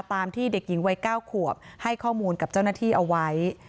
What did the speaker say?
ตามที่เด็กหญิงวัย๙ขวบให้ข้อมูลกับเจ้าหน้าที่เอาไว้